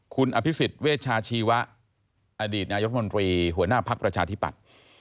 คุณอภิษฎเวชาชีวะอดีตนายรัฐมนตรีหัวหน้าภักดิ์ประชาธิปัตย์